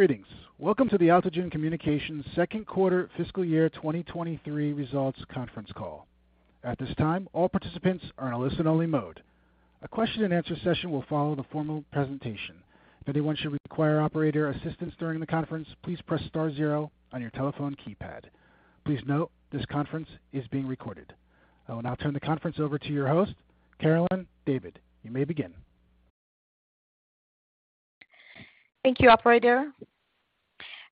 Greetings. Welcome to the AltiGen Communications Second Quarter Fiscal Year 2023 Results Conference Call. At this time, all participants are in a listen-only mode. A question and answer session will follow the formal presentation. If anyone should require operator assistance during the conference, please press star zero on your telephone keypad. Please note this conference is being recorded. I will now turn the conference over to your host, Carolyn David. You may begin. Thank you, operator.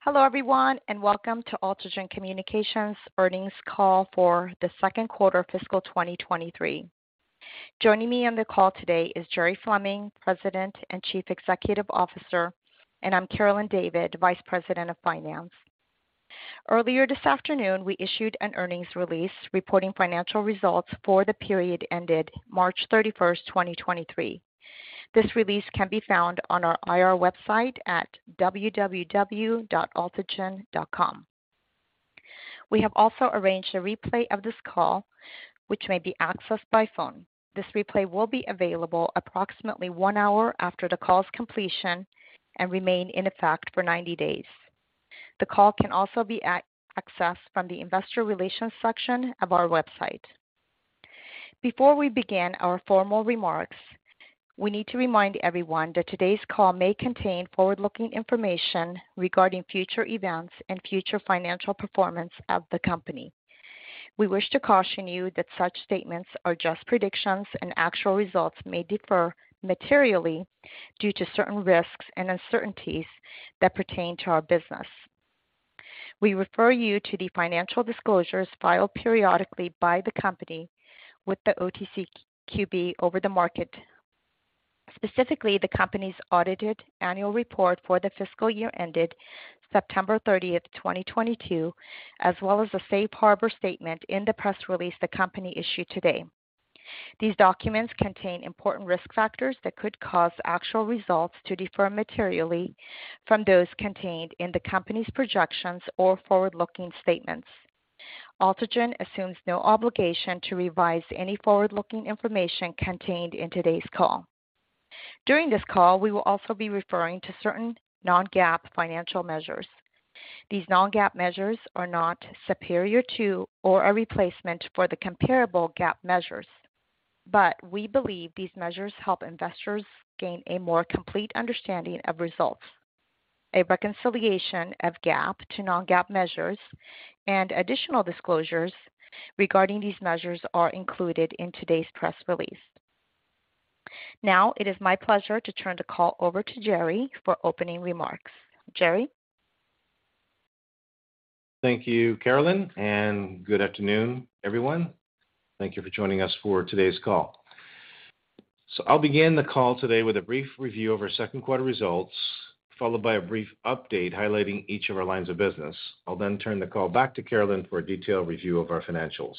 Hello, everyone, and welcome to AltiGen Communications earnings call for the second quarter of fiscal 2023. Joining me on the call today is Jerry Fleming, President and Chief Executive Officer, and I'm Carolyn David, Vice President of Finance. Earlier this afternoon, we issued an earnings release reporting financial results for the period ended March 31st, 2023. This release can be found on our IR website at www.altigen.com. We have also arranged a replay of this call, which may be accessed by phone. This replay will be available approximately one hour after the call's completion and remain in effect for 90 days. The call can also be accessed from the investor relations section of our website. Before we begin our formal remarks, we need to remind everyone that today's call may contain forward-looking information regarding future events and future financial performance of the company. We wish to caution you that such statements are just predictions and actual results may differ materially due to certain risks and uncertainties that pertain to our business. We refer you to the financial disclosures filed periodically by the company with the OTCQB over-the-market, specifically the company's audited annual report for the fiscal year ended September 30, 2022, as well as the safe harbor statement in the press release the company issued today. These documents contain important risk factors that could cause actual results to defer materially from those contained in the company's projections or forward-looking statements. Altigen assumes no obligation to revise any forward-looking information contained in today's call. During this call, we will also be referring to certain non-GAAP financial measures. These non-GAAP measures are not superior to or a replacement for the comparable GAAP measures, but we believe these measures help investors gain a more complete understanding of results. A reconciliation of GAAP to non-GAAP measures and additional disclosures regarding these measures are included in today's press release. Now it is my pleasure to turn the call over to Jerry for opening remarks. Jerry? Thank you, Carolyn, and good afternoon, everyone. Thank you for joining us for today's call. I'll begin the call today with a brief review of our second quarter results, followed by a brief update highlighting each of our lines of business. I'll then turn the call back to Carolyn for a detailed review of our financials.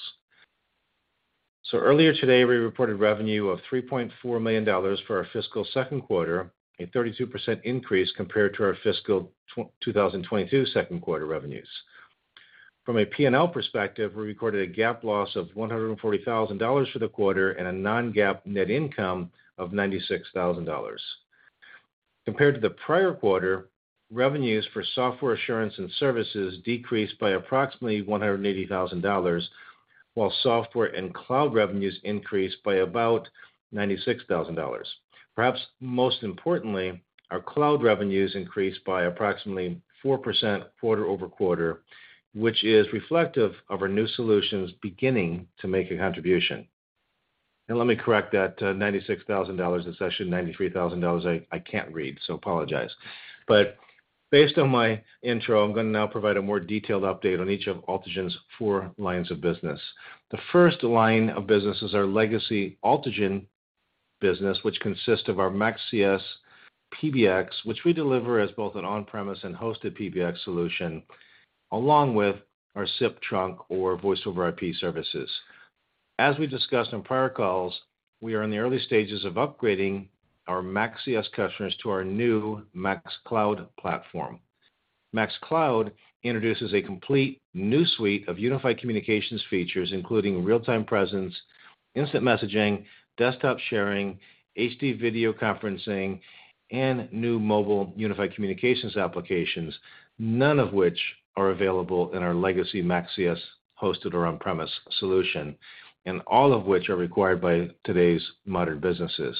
Earlier today, we reported revenue of $3.4 million for our fiscal second quarter, a 32% increase compared to our fiscal 2022 second quarter revenues. From a P&L perspective, we recorded a GAAP loss of $140,000 for the quarter and a non-GAAP net income of $96,000. Compared to the prior quarter, revenues for software assurance and services decreased by approximately $180,000, while software and cloud revenues increased by about $96,000. Perhaps most importantly, our cloud revenues increased by approximately 4% quarter-over-quarter, which is reflective of our new solutions beginning to make a contribution. Let me correct that, $96,000 is actually $93,000. I can't read, so apologize. Based on my intro, I'm gonna now provide a more detailed update on each of AltiGen's four lines of business. The first line of business is our legacy AltiGen business, which consists of our MaxCS PBX, which we deliver as both an on-premise and hosted PBX solution, along with our SIP trunk or Voice over IP services. As we discussed on prior calls, we are in the early stages of upgrading our MaxCS customers to our new MaxCloud platform. MaxCloud introduces a complete new suite of unified communications features, including real-time presence, instant messaging, desktop sharing, HD video conferencing, and new mobile unified communications applications, none of which are available in our legacy MaxCS hosted or on-premise solution, and all of which are required by today's modern businesses.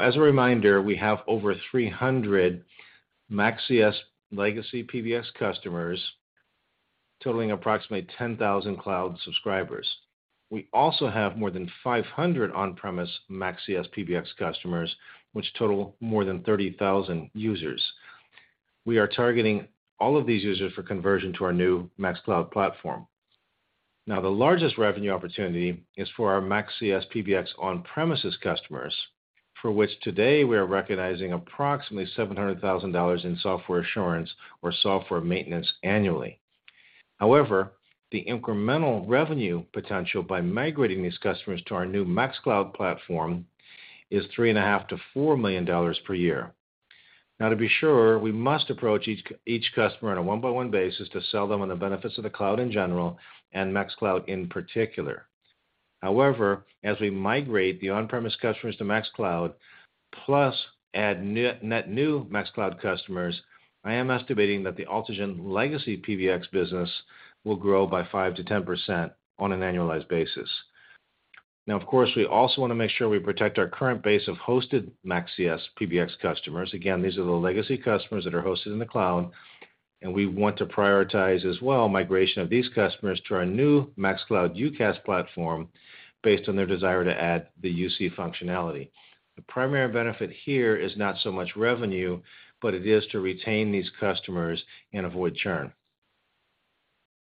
As a reminder, we have over 300 MaxCS legacy PBX customers totaling approximately 10,000 cloud subscribers. We also have more than 500 on-premise MaxCS PBX customers, which total more than 30,000 users. We are targeting all of these users for conversion to our new MaxCloud platform. The largest revenue opportunity is for our MaxCS PBX on-premises customers, for which today we are recognizing approximately $700,000 in software assurance or software maintenance annually. The incremental revenue potential by migrating these customers to our new MaxCloud platform is $3.5 million-$4 million per year. To be sure, we must approach each customer on a one-by-one basis to sell them on the benefits of the cloud in general and MaxCloud in particular. As we migrate the on-premise customers to MaxCloud plus add new MaxCloud customers, I am estimating that the AltiGen legacy PBX business will grow by 5%-10% on an annualized basis. Of course, we also wanna make sure we protect our current base of hosted MaxCS PBX customers. These are the legacy customers that are hosted in the cloud, and we want to prioritize as well migration of these customers to our new MaxCloud UCaaS platform based on their desire to add the UC functionality. The primary benefit here is not so much revenue, but it is to retain these customers and avoid churn.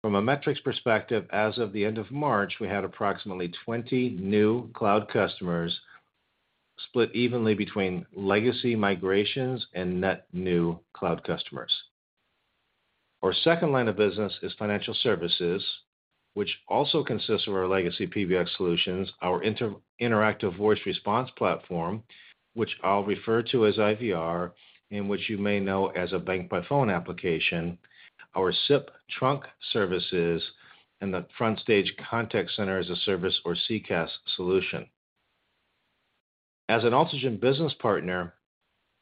From a metrics perspective, as of the end of March, we had approximately 20 new cloud customers split evenly between legacy migrations and net new cloud customers. Our second line of business is financial services, which also consists of our legacy PBX solutions, our Interactive Voice Response platform, which I'll refer to as IVR, and which you may know as a bank-by-phone application, our SIP trunk services, and the FrontStage Contact Center as a Service or CCaaS solution. As an AltiGen business partner,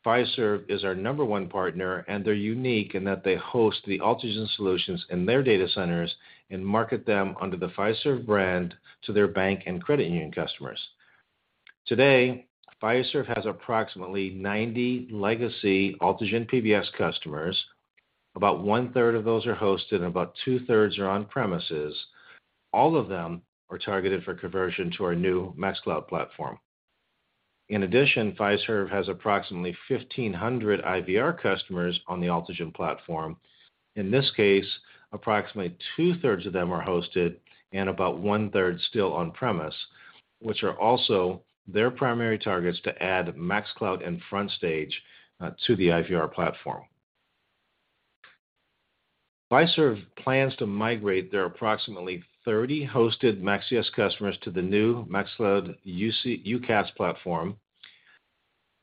Fiserv is our number one partner, and they're unique in that they host the AltiGen solutions in their data centers and market them under the Fiserv brand to their bank and credit union customers. Today, Fiserv has approximately 90 legacy AltiGen PBX customers. About 1/3 of those are hosted, and about 2/3 are on-premises. All of them are targeted for conversion to our new MaxCloud platform. In addition, Fiserv has approximately 1,500 IVR customers on the AltiGen platform. In this case, approximately 2/3 of them are hosted and about 1/3 still on-premise, which are also their primary targets to add MaxCloud and FrontStage to the IVR platform. Fiserv plans to migrate their approximately 30 hosted MaxCS customers to the new MaxCloud UCaaS platform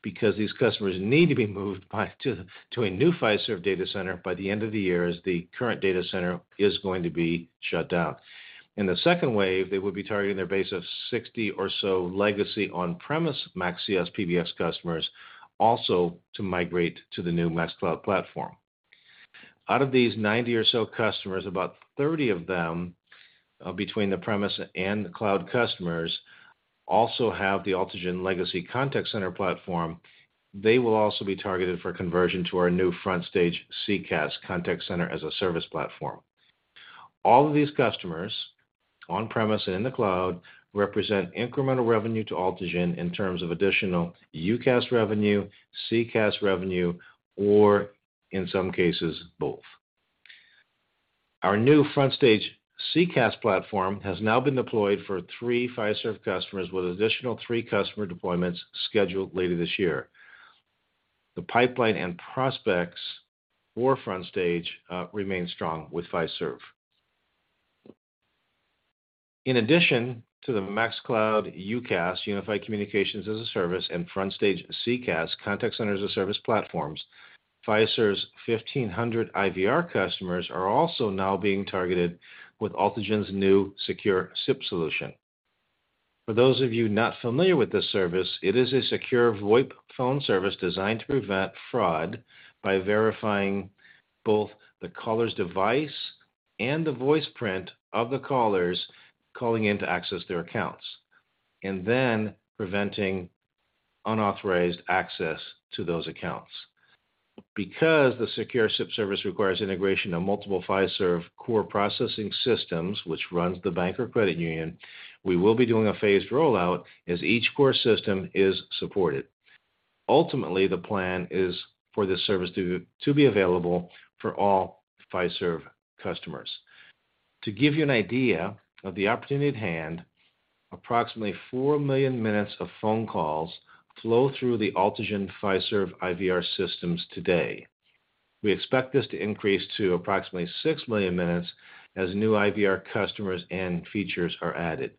because these customers need to be moved back to a new Fiserv data center by the end of the year as the current data center is going to be shut down. In the second wave, they will be targeting their base of 60 or so legacy on-premise MaxCS PBX customers also to migrate to the new MaxCloud platform. Out of these 90 or so customers, about 30 of them, between the premise and the cloud customers, also have the AltiGen legacy contact center platform. They will also be targeted for conversion to our new FrontStage CCaaS, Contact Center as a Service platform. All of these customers, on-premise and in the cloud, represent incremental revenue to AltiGen in terms of additional UCaaS revenue, CCaaS revenue or in some cases, both. Our new FrontStage CCaaS platform has now been deployed for three Fiserv customers with additional three customer deployments scheduled later this year. The pipeline and prospects for FrontStage remain strong with Fiserv. In addition to the MaxCloud UCaaS, Unified Communications as a Service, and FrontStage CCaaS, Contact Center as a Service platforms, Fiserv's 1,500 IVR customers are also now being targeted with AltiGen's new secure SIP solution. For those of you not familiar with this service, it is a secure VoIP phone service designed to prevent fraud by verifying both the caller's device and the voice print of the callers calling in to access their accounts, and then preventing unauthorized access to those accounts. Because the secure SIP service requires integration of multiple Fiserv core processing systems, which runs the bank or credit union, we will be doing a phased rollout as each core system is supported. Ultimately, the plan is for this service to be available for all Fiserv customers. To give you an idea of the opportunity at hand, approximately 4 million minutes of phone calls flow through the AltiGen Fiserv IVR systems today. We expect this to increase to approximately 6 million minutes as new IVR customers and features are added.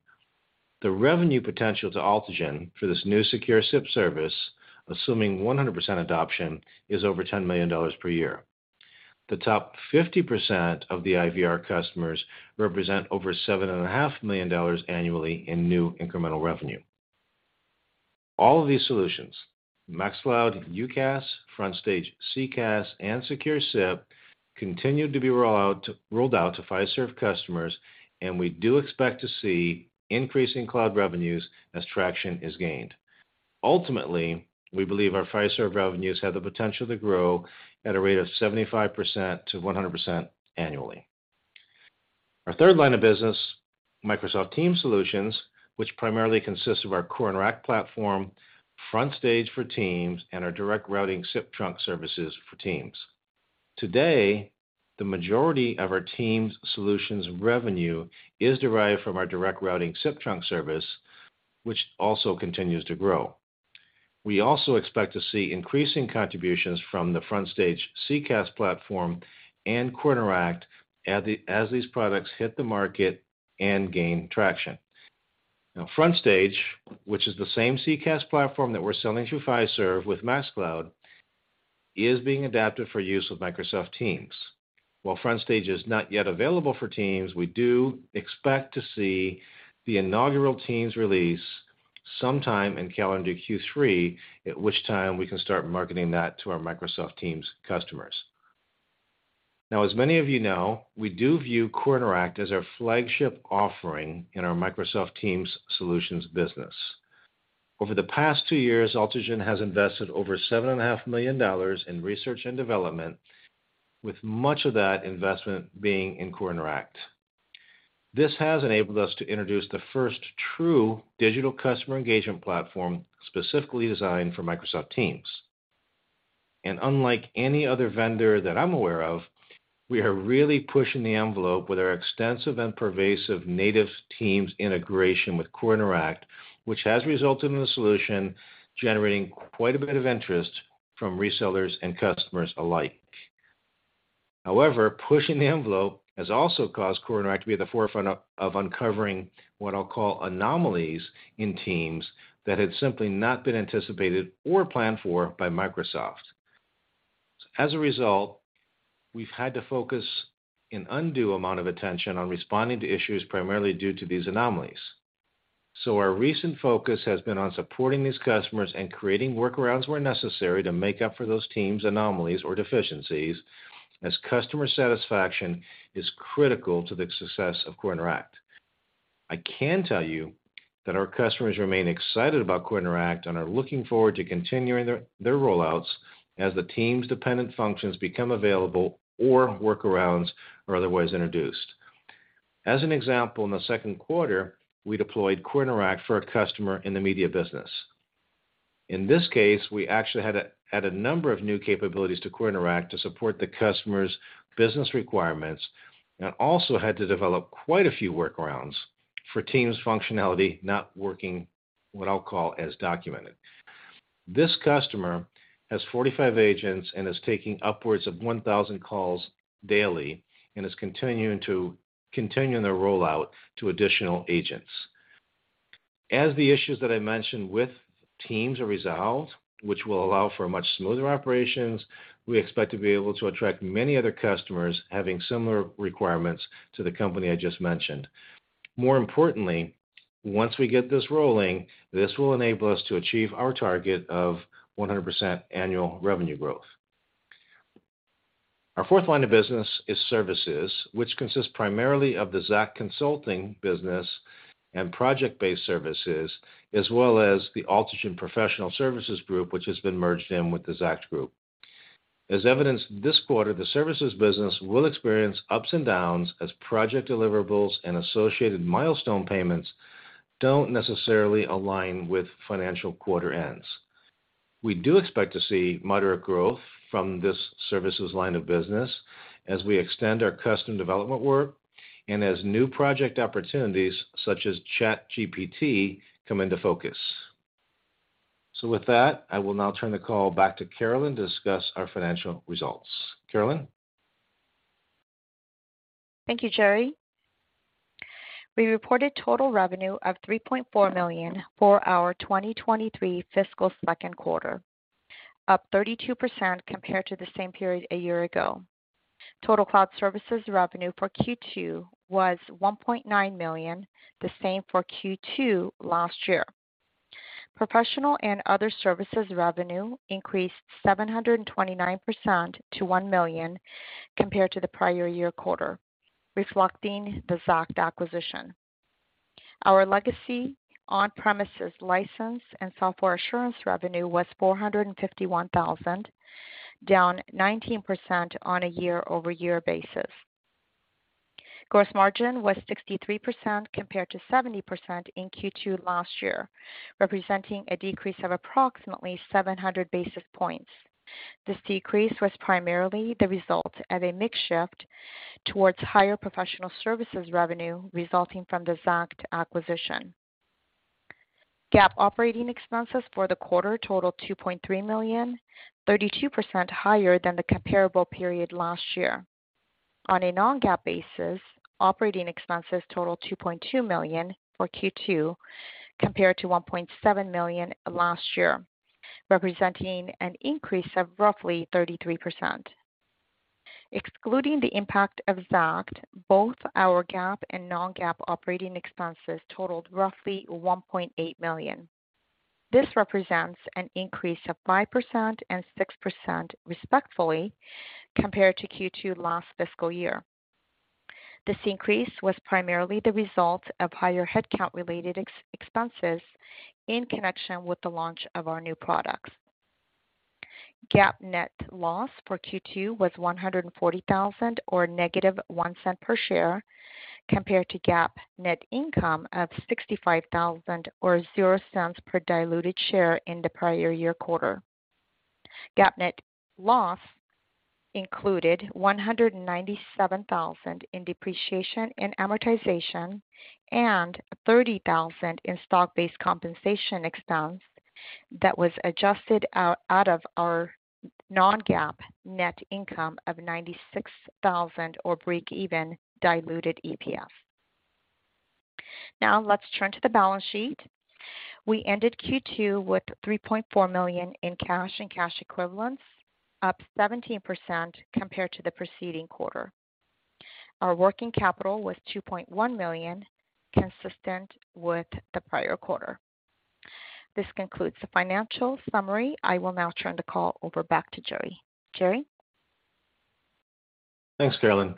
The revenue potential to AltiGen for this new secure SIP service, assuming 100% adoption, is over $10 million per year. The top 50% of the IVR customers represent over $7.5 million annually in new incremental revenue. All of these solutions, MaxCloud UCaaS, FrontStage CCaaS, and secure SIP, continue to be rolled out to Fiserv customers, and we do expect to see increasing cloud revenues as traction is gained. Ultimately, we believe our Fiserv revenues have the potential to grow at a rate of 75%-100% annually. Our third line of business, Microsoft Teams Solutions, which primarily consists of our CoreInteract platform, FrontStage for Teams, and our Direct Routing SIP trunk services for Teams. Today, the majority of our Teams solutions revenue is derived from our Direct Routing SIP trunk service, which also continues to grow. We also expect to see increasing contributions from the FrontStage CCaaS platform and CoreInteract as these products hit the market and gain traction. FrontStage, which is the same CCaaS platform that we're selling through Fiserv with MaxCloud is being adapted for use with Microsoft Teams. While FrontStage is not yet available for Teams, we do expect to see the inaugural Teams release sometime in calendar Q3, at which time we can start marketing that to our Microsoft Teams customers. As many of you know, we do view CoreInteract as our flagship offering in our Microsoft Teams solutions business. Over the past two years, AltiGen has invested over seven and a half million dollars in research and development, with much of that investment being in CoreInteract. This has enabled us to introduce the first true digital customer engagement platform specifically designed for Microsoft Teams. Unlike any other vendor that I'm aware of, we are really pushing the envelope with our extensive and pervasive native Teams integration with CoreInteract, which has resulted in the solution generating quite a bit of interest from resellers and customers alike. However, pushing the envelope has also caused CoreInteract to be at the forefront of uncovering what I'll call anomalies in Teams that had simply not been anticipated or planned for by Microsoft. As a result, we've had to focus an undue amount of attention on responding to issues primarily due to these anomalies. Our recent focus has been on supporting these customers and creating workarounds where necessary to make up for those Teams anomalies or deficiencies, as customer satisfaction is critical to the success of CoreInteract. I can tell you that our customers remain excited about CoreInteract and are looking forward to continuing their rollouts as the Teams dependent functions become available or workarounds are otherwise introduced. In the second quarter, we deployed CoreInteract for a customer in the media business. In this case, we actually had a number of new capabilities to CoreInteract to support the customer's business requirements, and also had to develop quite a few workarounds for Teams functionality not working, what I'll call as documented. This customer has 45 agents and is taking upwards of 1,000 calls daily and is continuing their rollout to additional agents. As the issues that I mentioned with Teams are resolved, which will allow for much smoother operations, we expect to be able to attract many other customers having similar requirements to the company I just mentioned. More importantly, once we get this rolling, this will enable us to achieve our target of 100% annual revenue growth. Our fourth line of business is services, which consists primarily of the ZAACT consulting business and project-based services, as well as the AltiGen professional services group, which has been merged in with the ZAACT group. As evidenced this quarter, the services business will experience ups and downs as project deliverables and associated milestone payments don't necessarily align with financial quarter ends. We do expect to see moderate growth from this services line of business as we extend our custom development work and as new project opportunities such as ChatGPT come into focus. With that, I will now turn the call back to Carolyn to discuss our financial results. Carolyn? Thank you, Jerry. We reported total revenue of $3.4 million for our 2023 fiscal second quarter, up 32% compared to the same period a year ago. Total cloud services revenue for Q2 was $1.9 million, the same for Q2 last year. Professional and other services revenue increased 729% to $1 million compared to the prior year quarter, reflecting the ZAACT acquisition. Our legacy on-premises license and software assurance revenue was $451,000, down 19% on a year-over-year basis. Gross margin was 63% compared to 70% in Q2 last year, representing a decrease of approximately 700 basis points. This decrease was primarily the result of a mix shift towards higher professional services revenue resulting from the ZAACT acquisition. GAAP operating expenses for the quarter totaled $2.3 million, 32% higher than the comparable period last year. On a non-GAAP basis, operating expenses totaled $2.2 million for Q2 compared to $1.7 million last year, representing an increase of roughly 33%. Excluding the impact of ZAACT, both our GAAP and non-GAAP operating expenses totaled roughly $1.8 million. This represents an increase of 5% and 6% respectively compared to Q2 last fiscal year. This increase was primarily the result of higher headcount-related expenses in connection with the launch of our new products. GAAP net loss for Q2 was $140,000 or -$0.01 per share, compared to GAAP net income of $65,000 or $0.00 per diluted share in the prior year quarter. GAAP net loss included $197,000 in depreciation and amortization and $30,000 in stock-based compensation expense that was adjusted out of our non-GAAP net income of $96,000 or breakeven diluted EPS. Now let's turn to the balance sheet. We ended Q2 with $3.4 million in cash and cash equivalents, up 17% compared to the preceding quarter. Our working capital was $2.1 million, consistent with the prior quarter. This concludes the financial summary. I will now turn the call over back to Jerry. Jerry? Thanks, Carolyn.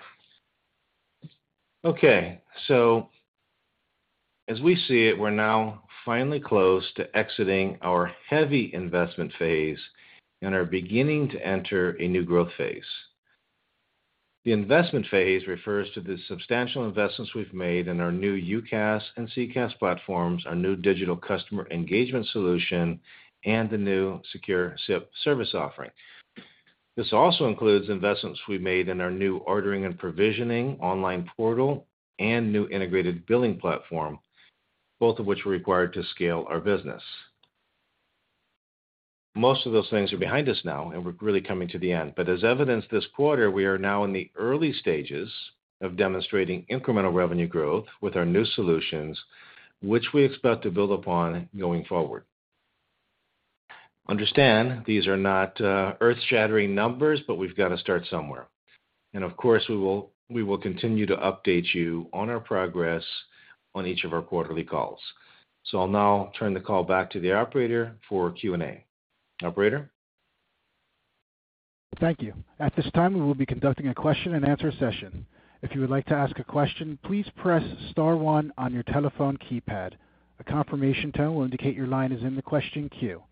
As we see it, we're now finally close to exiting our heavy investment phase and are beginning to enter a new growth phase. The investment phase refers to the substantial investments we've made in our new UCaaS and CCaaS platforms, our new digital customer engagement solution, and the new secure SIP service offering. This also includes investments we made in our new ordering and provisioning online portal and new integrated billing platform, both of which were required to scale our business. Most of those things are behind us now, and we're really coming to the end. As evidenced this quarter, we are now in the early stages of demonstrating incremental revenue growth with our new solutions, which we expect to build upon going forward. Understand, these are not earth-shattering numbers, but we've got to start somewhere. Of course, we will continue to update you on our progress on each of our quarterly calls. I'll now turn the call back to the operator for Q&A. Operator? Thank you. At this time, we will be conducting a question-and-answer session. If you would like to ask a question, please press star one on your telephone keypad. A confirmation tone will indicate your line is in the question queue.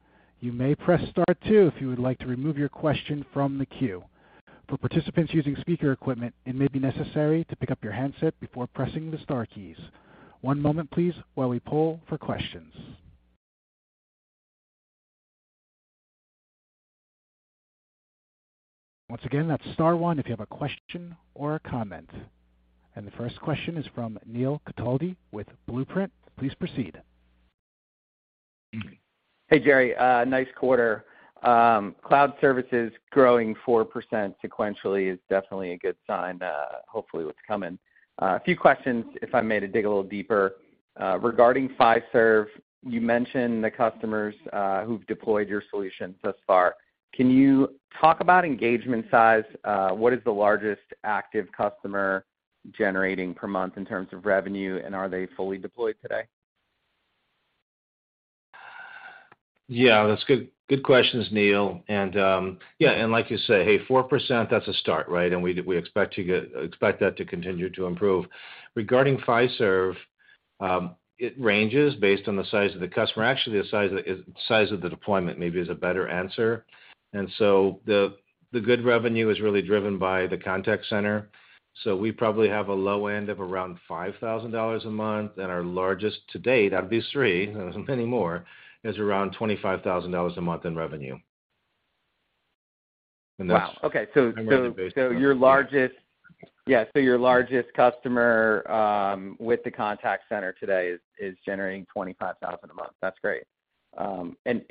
You may press star two if you would like to remove your question from the queue. For participants using speaker equipment, it may be necessary to pick up your handset before pressing the star keys. One moment please while we poll for questions. Once again, that's star one if you have a question or a comment. The first question is from Neil Cataldi with Blueprint. Please proceed. Hey, Jerry. Nice quarter. Cloud services growing 4% sequentially is definitely a good sign, hopefully with what's coming. A few questions, if I may, to dig a little deeper. Regarding Fiserv, you mentioned the customers, who've deployed your solution thus far. Can you talk about engagement size? What is the largest active customer generating per month in terms of revenue, and are they fully deployed today? Yeah, that's good. Good questions, Neil. Yeah, and like you say, hey, 4%, that's a start, right? We expect that to continue to improve. Regarding Fiserv, it ranges based on the size of the customer. Actually, the size of the deployment maybe is a better answer. The good revenue is really driven by the contact center. So we probably have a low end of around $5,000 a month. Our largest to date, out of these three, there aren't many more, is around $25,000 a month in revenue. Wow. Okay. revenue based on. Your largest... Yeah. Your largest customer, with the contact center today is generating $25,000 a month. That's great. Then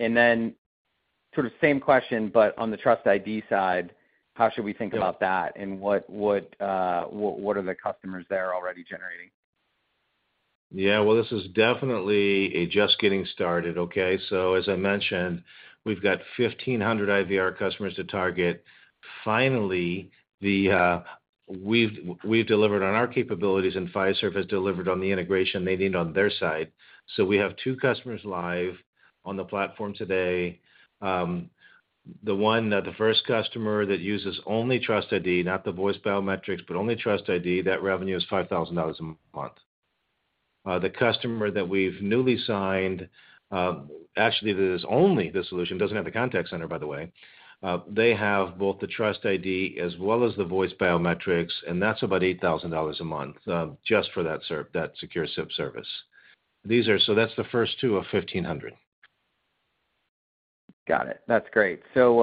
sort of same question, but on the TRUSTID side, how should we think about that? What would, what are the customers there already generating? Well, this is definitely a just getting started, okay? As I mentioned, we've got 1,500 IVR customers to target. Finally, the we've delivered on our capabilities and Fiserv has delivered on the integration they need on their side. We have 2 customers live on the platform today. The one, the first customer that uses only TRUSTID, not the voice biometrics, but only TRUSTID, that revenue is $5,000 a month. The customer that we've newly signed, actually it is only the solution, doesn't have the contact center, by the way. They have both the TRUSTID as well as the voice biometrics, and that's about $8,000 a month, just for that secure SIP service. That's the first 2 of 1,500. Got it. That's great. Those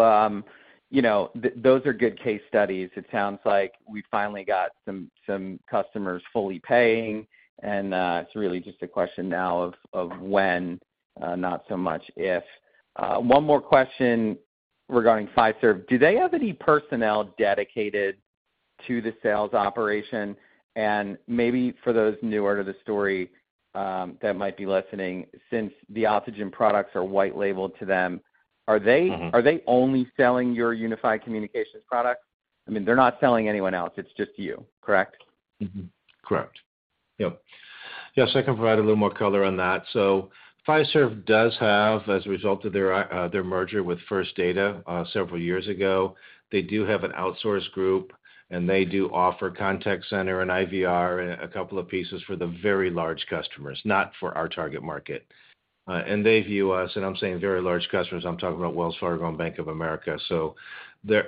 are good case studies. It sounds like we finally got some customers fully paying, and it's really just a question now of when, not so much if. One more question regarding Fiserv. Do they have any personnel dedicated to the sales operation? Maybe for those newer to the story, that might be listening, since the AltiGen products are white labeled to them, are they. Mm-hmm. Are they only selling your unified communications product? I mean, they're not selling anyone else. It's just you, correct? Mm-hmm. Correct. Yep. Yes, I can provide a little more color on that. Fiserv does have, as a result of their merger with First Data, several years ago, they do have an outsource group, and they do offer contact center and IVR and a couple of pieces for the very large customers, not for our target market. They view us, and I'm saying very large customers, I'm talking about Wells Fargo and Bank of America. Their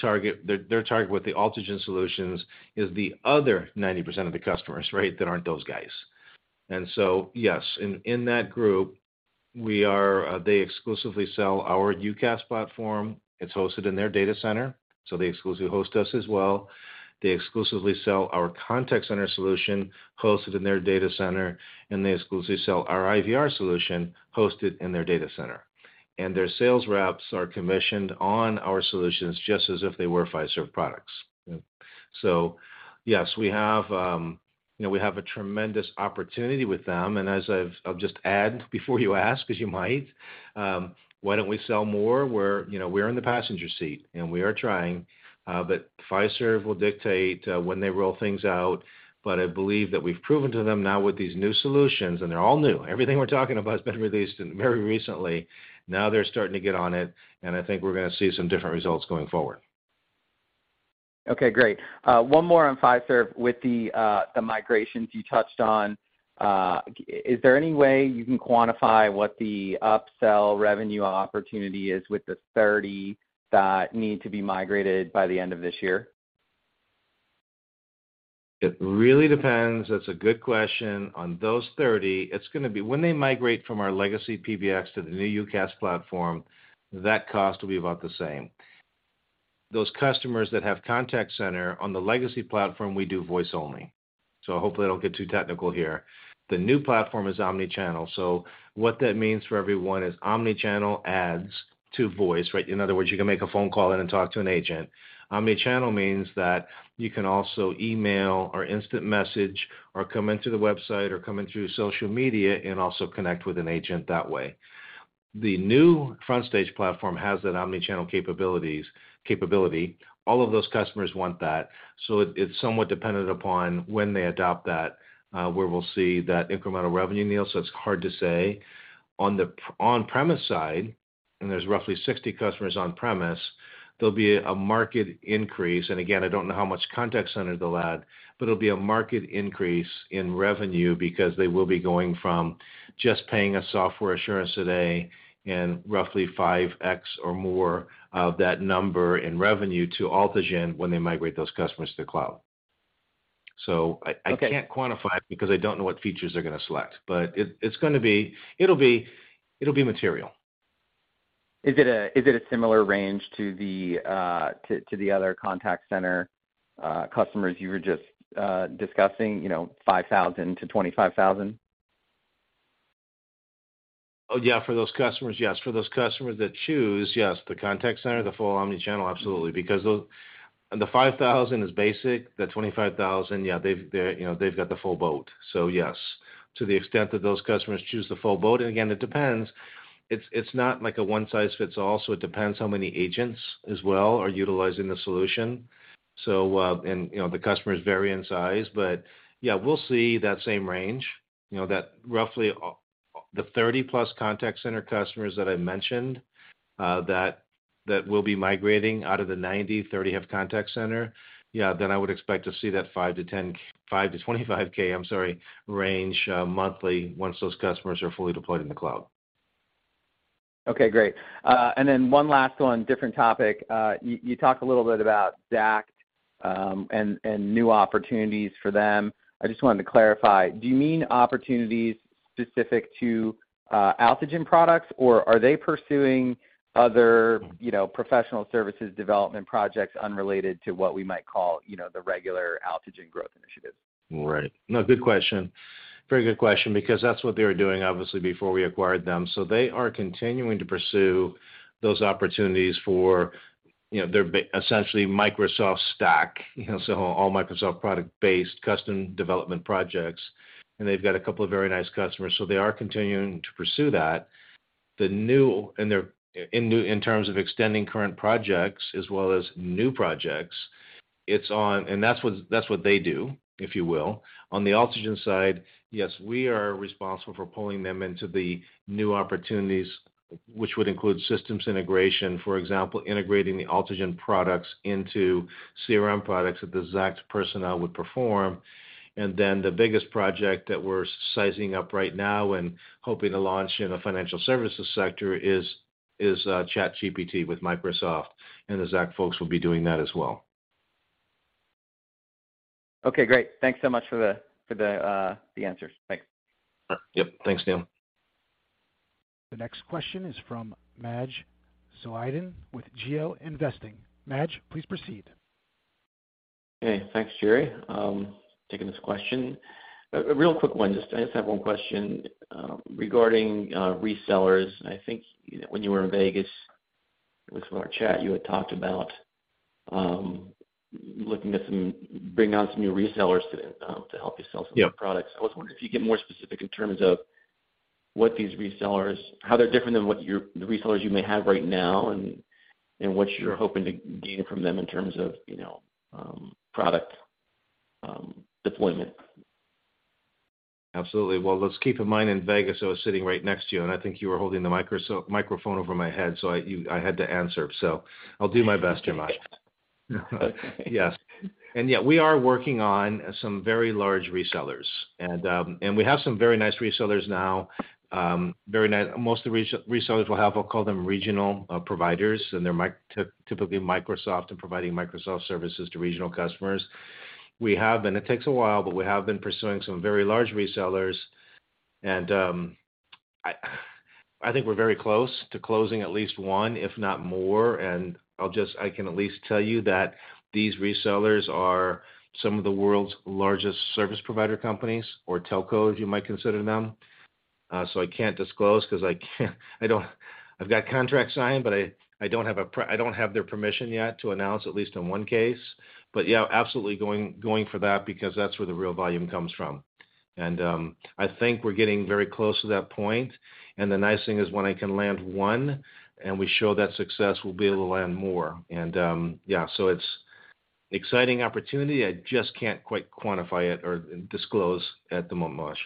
target with the AltiGen solutions is the other 90% of the customers, right? That aren't those guys. Yes, in that group, they exclusively sell our UCaaS platform. It's hosted in their data center, so they exclusively host us as well. They exclusively sell our contact center solution hosted in their data center, and they exclusively sell our IVR solution hosted in their data center. Their sales reps are commissioned on our solutions just as if they were Fiserv products. Yes, we have, you know, we have a tremendous opportunity with them. I'll just add before you ask, 'cause you might, why don't we sell more? We're, you know, we're in the passenger seat, and we are trying, but Fiserv will dictate when they roll things out. I believe that we've proven to them now with these new solutions, and they're all new. Everything we're talking about has been released very recently. Now they're starting to get on it, and I think we're gonna see some different results going forward. Okay, great. one more on Fiserv. With the migrations you touched on, is there any way you can quantify what the upsell revenue opportunity is with the 30 that need to be migrated by the end of this year? It really depends. That's a good question. On those 30, it's gonna be when they migrate from our legacy PBX to the new UCaaS platform, that cost will be about the same. Those customers that have contact center on the legacy platform, we do voice only. Hopefully I don't get too technical here. The new platform is omni-channel. What that means for everyone is omni-channel adds to voice, right? In other words, you can make a phone call in and talk to an agent. Omni-channel means that you can also email or instant message or come into the website or come in through social media and also connect with an agent that way. The new FrontStage platform has that omni-channel capabilities, capability. All of those customers want that. It's somewhat dependent upon when they adopt that, where we'll see that incremental revenue, Neil, so it's hard to say. On the on-premise side, there's roughly 60 customers on-premise, there'll be a market increase. Again, I don't know how much contact center they'll add, but it'll be a market increase in revenue because they will be going from just paying a software assurance today and roughly 5x or more of that number in revenue to AltiGen when they migrate those customers to the cloud. I can't- Okay. -quantify it because I don't know what features they're gonna select. It's gonna be... It'll be material. Is it a similar range to the other contact center customers you were just discussing, you know, 5,000-25,000? Yeah. For those customers, yes. For those customers that choose, yes, the contact center, the full omni-channel, absolutely. The $5,000 is basic, the $25,000, yeah, they've, you know, they've got the full boat. Yes. To the extent that those customers choose the full boat. Again, it depends. It's not like a one-size-fits-all, so it depends how many agents as well are utilizing the solution. And, you know, the customers vary in size. Yeah, we'll see that same range, you know, that roughly the 30-plus contact center customers that I mentioned that will be migrating out of the 90, 30 have contact center. Yeah, I would expect to see that $5K-$25K, I'm sorry, range monthly once those customers are fully deployed in the cloud. Okay, great. One last one, different topic. You talked a little bit about ZAACT and new opportunities for them. I just wanted to clarify, do you mean opportunities specific to AltiGen products, or are they pursuing other, you know, professional services development projects unrelated to what we might call, you know, the regular AltiGen growth initiatives? Right. No, good question. Very good question because that's what they were doing, obviously, before we acquired them. They are continuing to pursue those opportunities for, you know, their essentially Microsoft stack, you know. All Microsoft product-based custom development projects, and they've got a couple of very nice customers, so they are continuing to pursue that. In terms of extending current projects as well as new projects, it's on. That's what they do, if you will. On the AltiGen side, yes, we are responsible for pulling them into the new opportunities, which would include systems integration, for example, integrating the AltiGen products into CRM products that the ZAACT's personnel would perform. The biggest project that we're sizing up right now and hoping to launch in the financial services sector is ChatGPT with Microsoft, and the ZAACT folks will be doing that as well. Okay, great. Thanks so much for the answers. Thanks. Yep. Thanks, Neil. The next question is from Maj Soueidan with GeoInvesting. Maj, please proceed. Hey, thanks, Jerry. taking this question. A real quick one. Just, I just have one question regarding resellers. I think when you were in Vegas with some of our chat, you had talked about looking at some... Bringing on some new resellers to help you sell- Yeah. some of the products. I was wondering if you could get more specific in terms of what these resellers, how they're different than what the resellers you may have right now and what you're hoping to gain from them in terms of, you know, product, deployment? Absolutely. Well, let's keep in mind in Vegas, I was sitting right next to you, and I think you were holding the microphone over my head, so I had to answer. I'll do my best, Maj. Yeah, we are working on some very large resellers. We have some very nice resellers now, most of the resellers we'll have, we'll call them regional providers, and they're typically Microsoft and providing Microsoft services to regional customers. We have been. It takes a while, but we have been pursuing some very large resellers, and I think we're very close to closing at least one, if not more. I can at least tell you that these resellers are some of the world's largest service provider companies or telcos, you might consider them. I can't disclose 'cause I've got contracts signed, but I don't have their permission yet to announce, at least in one case. Yeah, absolutely going for that because that's where the real volume comes from. I think we're getting very close to that point. The nice thing is when I can land one and we show that success, we'll be able to land more. Yeah. It's exciting opportunity. I just can't quite quantify it or disclose at the moment, Maj.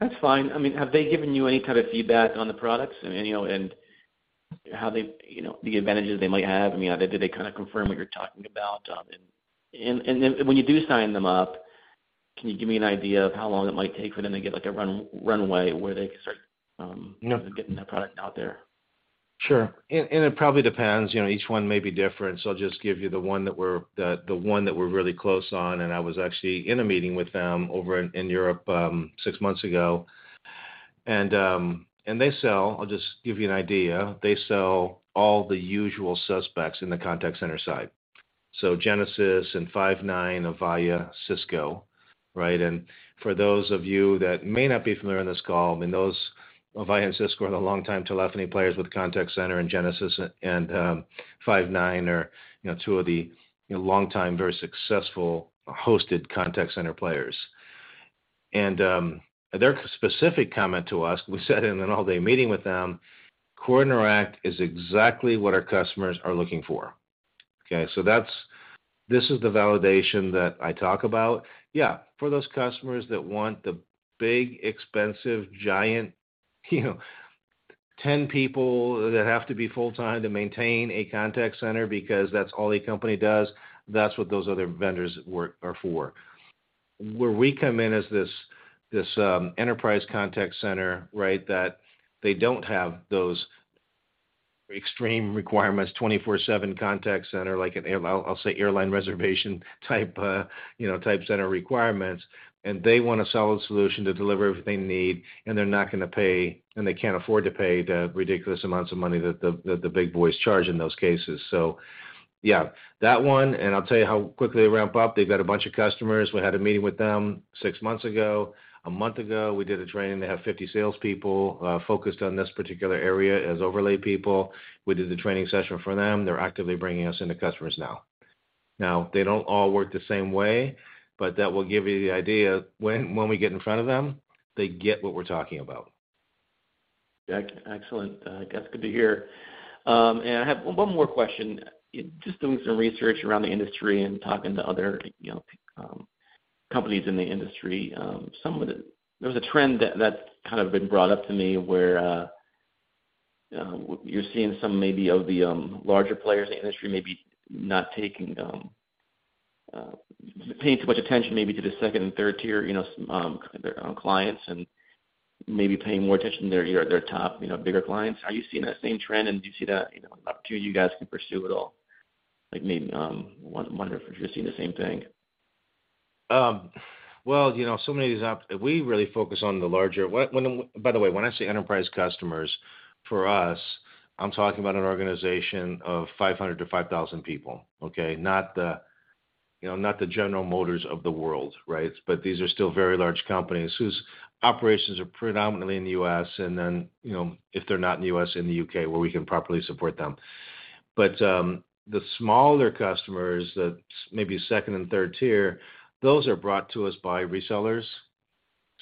That's fine. I mean, have they given you any kind of feedback on the products? I mean, you know, and how they, you know, the advantages they might have? I mean, did they kind of confirm what you're talking about? Then when you do sign them up, can you give me an idea of how long it might take for them to get like a runway where they can start? No. getting that product out there? It probably depends, you know, each one may be different. I'll just give you the one that we're really close on, and I was actually in a meeting with them over in Europe 6 months ago. I'll just give you an idea. They sell all the usual suspects in the contact center side. Genesys and Five9, Avaya, Cisco, right? For those of you that may not be familiar on this call, I mean, Avaya and Cisco are the longtime telephony players with contact center, Genesys and Five9 are, you know, two of the, you know, longtime, very successful hosted contact center players. Their specific comment to us, we sat in an all-day meeting with them, CoreInteract is exactly what our customers are looking for. Okay, this is the validation that I talk about. Yeah, for those customers that want the big, expensive, giant, you know, 10 people that have to be full-time to maintain a contact center because that's all a company does, that's what those other vendors are for. Where we come in as this enterprise contact Center, right, that they don't have those extreme requirements, 24/7 contact center like I'll say airline reservation type, you know, type center requirements. They want a solid solution to deliver what they need, and they're not gonna pay, and they can't afford to pay the ridiculous amounts of money that the big boys charge in those cases. Yeah, that one, and I'll tell you how quickly they ramp up. They've got a bunch of customers. We had a meeting with them 6 months ago. A month ago, we did a training. They have 50 salespeople, focused on this particular area as overlay people. We did the training session for them. They're actively bringing us into customers now. They don't all work the same way, but that will give you the idea when we get in front of them, they get what we're talking about. Yeah. Excellent. That's good to hear. I have one more question. Just doing some research around the industry and talking to other, you know, companies in the industry, there was a trend that's kind of been brought up to me where, you know, you're seeing some maybe of the larger players in the industry maybe not taking, paying too much attention maybe to the second and third tier, you know, clients and maybe paying more attention to their top, you know, bigger clients. Are you seeing that same trend, and do you see that, you know, an opportunity you guys can pursue at all? Like maybe, wonder if you're seeing the same thing. Well, you know, so many of these We really focus on the larger... By the way, when I say enterprise customers, for us, I'm talking about an organization of 500 to 5,000 people, okay? Not the, you know, not the General Motors of the world, right? These are still very large companies whose operations are predominantly in the U.S. and then, you know, if they're not in the U.S., in the U.K., where we can properly support them. The smaller customers that maybe second and third tier, those are brought to us by resellers.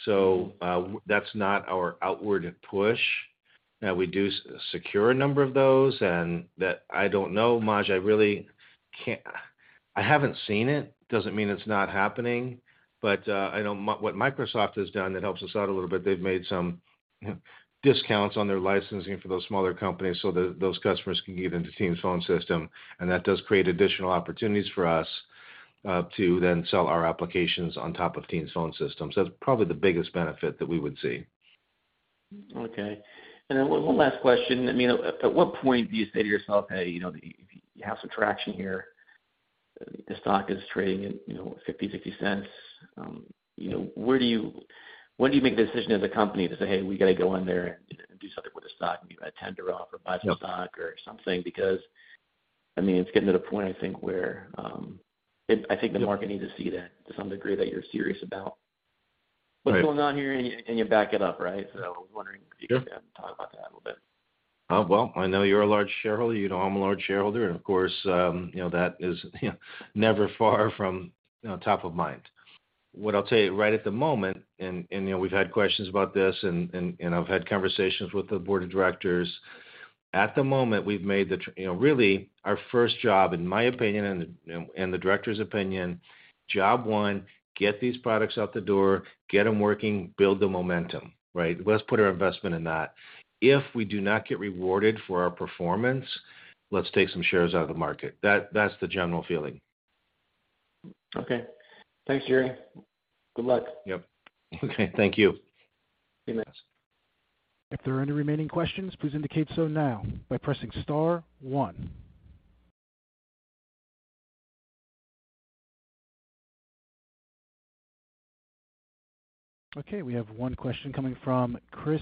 That's not our outward push. Now, we do secure a number of those and that I don't know, Maj. I really can't... I haven't seen it. Doesn't mean it's not happening. I know what Microsoft has done that helps us out a little bit, they've made some discounts on their licensing for those smaller companies so that those customers can get into Teams Phone System. That does create additional opportunities for us to then sell our applications on top of Teams Phone Systems. That's probably the biggest benefit that we would see. Okay. Then one last question. I mean, at what point do you say to yourself, "Hey, you know, you have some traction here. The stock is trading at, you know, $0.50, $0.60." You know, when do you make the decision as a company to say, "Hey, we gotta go in there and do something with the stock," maybe a tender offer, buy some stock or something? Because, I mean, it's getting to the point, I think, where, I think the market needs to see that to some degree, that you're serious about... Right. What's going on here and you back it up, right? I was wondering if you could talk about that a little bit. Well, I know you're a large shareholder, you know I'm a large shareholder. Of course, you know, that is, you know, never far from, you know, top of mind. What I'll tell you right at the moment, you know, we've had questions about this and, I've had conversations with the board of directors. At the moment, we've made You know, really, our first job, in my opinion and the directors' opinion, job one, get these products out the door, get them working, build the momentum, right? Let's put our investment in that. If we do not get rewarded for our performance, let's take some shares out of the market. That's the general feeling. Okay. Thanks, Jerry. Good luck. Yep. Okay. Thank you. Be nice. If there are any remaining questions, please indicate so now by pressing star one. We have one question coming from Chris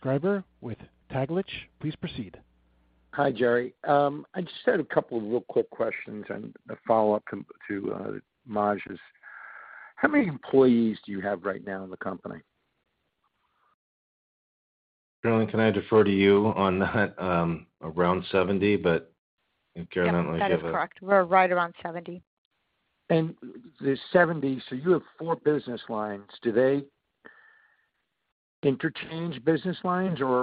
Schreiber with Taglich. Please proceed. Hi, Jerry. I just had a couple of real quick questions and a follow-up to Maj's. How many employees do you have right now in the company? Carolyn, can I differ to you on that? Around 70, but I think Carolyn might have. Yeah. That is correct. We're right around 70. The 70, so you have 4 business lines. Do they interchange business lines or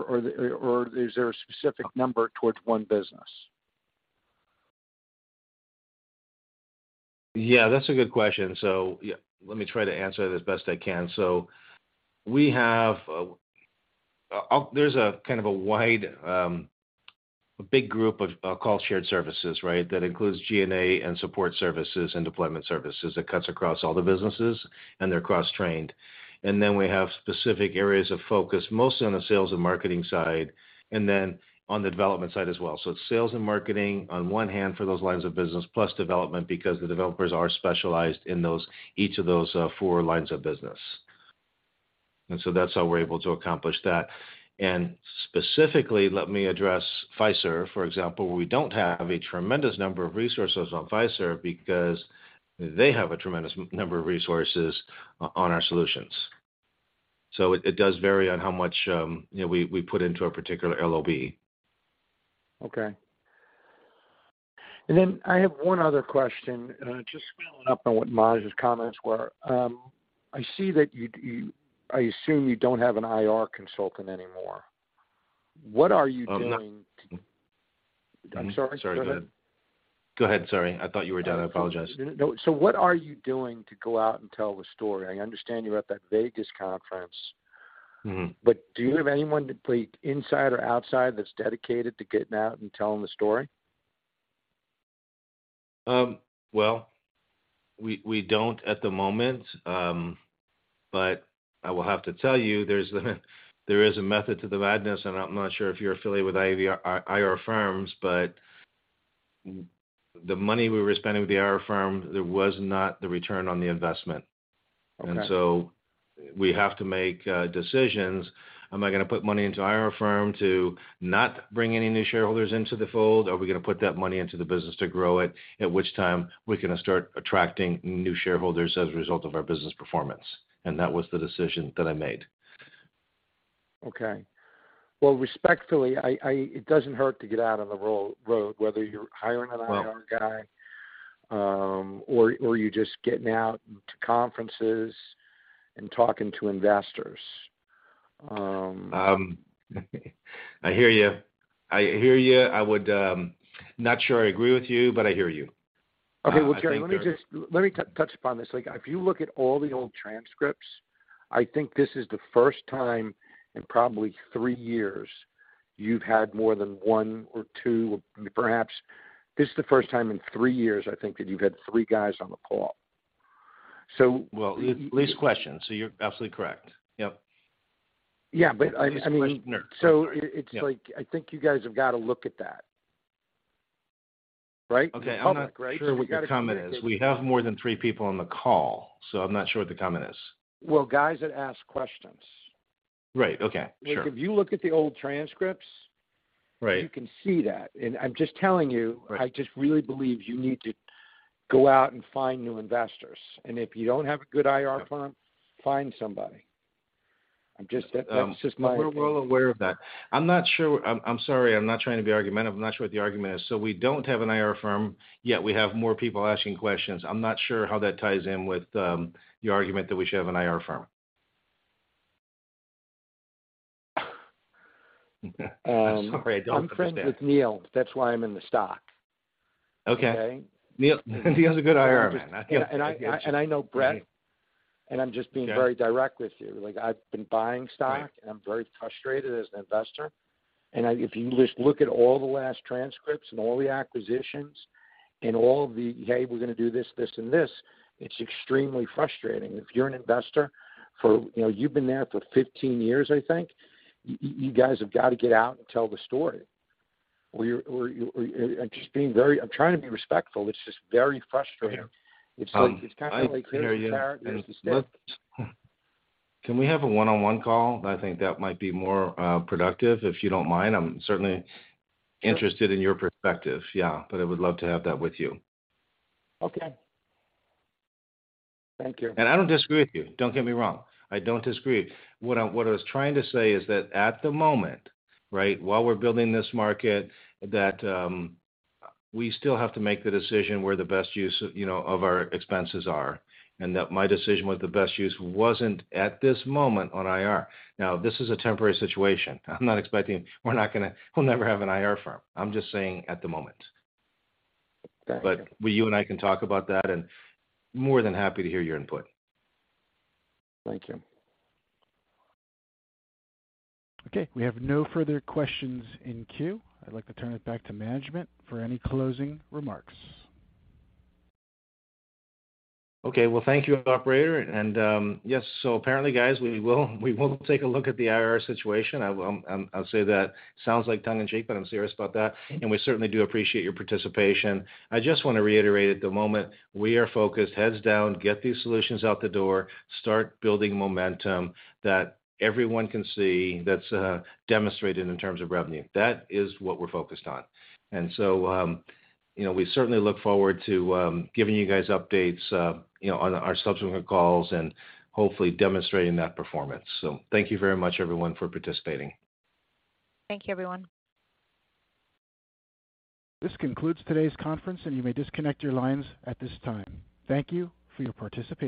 is there a specific number towards 1 business? Yeah, that's a good question. Yeah, let me try to answer it as best I can. We have, there's a kind of a wide, a big group of called shared services, right? That includes G&A and support services and deployment services that cuts across all the businesses, and they're cross-trained. We have specific areas of focus, mostly on the sales and marketing side, and then on the development side as well. It's sales and marketing on one hand for those lines of business, plus development because the developers are specialized in those, each of those, four lines of business. That's how we're able to accomplish that. Specifically, let me address Fiserv, for example, where we don't have a tremendous number of resources on Fiserv because they have a tremendous number of resources on our solutions. It does vary on how much, you know, we put into a particular LOB. Okay. I have one other question, just following up on what Maj's comments were. I see that you assume you don't have an IR consultant anymore. What are you doing? Oh, no. I'm sorry, go ahead. Sorry, go ahead, sorry. I thought you were done. I apologize. No, what are you doing to go out and tell the story? I understand you're at that Vegas conference. Mm-hmm. Do you have anyone, inside or outside, that's dedicated to getting out and telling the story? Well, we don't at the moment, but I will have to tell you, there is a method to the madness, and I'm not sure if you're affiliated with IR firms, but the money we were spending with the IR firm, there was not the return on the investment. Okay. We have to make decisions. Am I gonna put money into IR firm to not bring any new shareholders into the fold? Are we gonna put that money into the business to grow it, at which time we're gonna start attracting new shareholders as a result of our business performance? That was the decision that I made. Okay. Well, respectfully, it doesn't hurt to get out on the road, whether you're hiring an IR guy. Well- or you're just getting out to conferences and talking to investors. I hear you. I hear you. I would, not sure I agree with you, but I hear you. I think Okay. Well, Jerry, let me touch upon this. Like, if you look at all the old transcripts, I think this is the first time in probably three years you've had more than one or two, perhaps this is the first time in three years, I think, that you've had three guys on the call. Least questions, you're absolutely correct. Yep. Yeah, but I mean. Least questioner. I'm sorry. Yeah. It's like, I think you guys have got to look at that. Right? In public, right? I'm not sure what the comment is. We have more than 3 people on the call, so I'm not sure what the comment is. Well, guys that ask questions. Right. Okay. Sure. Like, if you look at the old transcripts- Right... you can see that. I'm just telling you- Right I just really believe you need to go out and find new investors. If you don't have a good IR firm, find somebody. I'm just, that's just my opinion. We're well aware of that. I'm not sure. I'm sorry, I'm not trying to be argumentative. I'm not sure what the argument is. We don't have an IR firm, yet we have more people asking questions. I'm not sure how that ties in with the argument that we should have an IR firm. I'm sorry, I don't understand. I'm friends with Neil. That's why I'm in the stock. Okay. Okay? Neil, he has a good IR man. I know Brett, and I'm just being very direct with you. Like, I've been buying stock. Right... and I'm very frustrated as an investor. If you just look at all the last transcripts and all the acquisitions and all of the, "Hey, we're gonna do this and this," it's extremely frustrating. If you're an investor for, you know, you've been there for 15 years, I think, you guys have got to get out and tell the story. You're, or, and just being very. I'm trying to be respectful. It's just very frustrating. Yeah. It's like, it's kind of like. I hear you. Can we have a one-on-one call? I think that might be more productive, if you don't mind. I'm certainly interested in your perspective. Yeah. I would love to have that with you. Okay. Thank you. I don't disagree with you. Don't get me wrong. I don't disagree. What I was trying to say is that at the moment, right, while we're building this market, that we still have to make the decision where the best use of, you know, of our expenses are, and that my decision with the best use wasn't at this moment on IR. Now, this is a temporary situation. I'm not expecting we'll never have an IR firm. I'm just saying at the moment. Gotcha. You and I can talk about that, and more than happy to hear your input. Thank you. Okay. We have no further questions in queue. I'd like to turn it back to management for any closing remarks. Okay. Well, thank you, operator. Yes, apparently, guys, we will take a look at the IR situation. I'll say that sounds like tongue in cheek, I'm serious about that. We certainly do appreciate your participation. I just wanna reiterate, at the moment, we are focused, heads down, get these solutions out the door, start building momentum that everyone can see that's demonstrated in terms of revenue. That is what we're focused on. You know, we certainly look forward to giving you guys updates, you know, on our subsequent calls and hopefully demonstrating that performance. Thank you very much, everyone, for participating. Thank you, everyone. This concludes today's conference, and you may disconnect your lines at this time. Thank you for your participation.